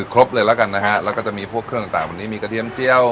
ครบเลยแล้วกันนะฮะแล้วก็จะมีพวกเครื่องต่างวันนี้มีกระเทียมเจียว